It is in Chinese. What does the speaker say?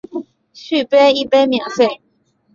续杯一杯免费